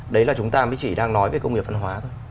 đấy là chúng ta mới chỉ đang nói về công nghiệp văn hóa thôi